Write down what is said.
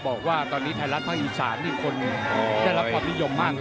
บอกว่าตอนนี้ไทยรัฐภาคอีสานนี่คนได้รับความนิยมมากเลย